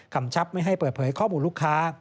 คำชับไม่ให้เปิดเผยข้อมูลลูกค้า